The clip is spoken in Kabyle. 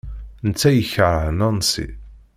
Netta yekṛeh Nancy.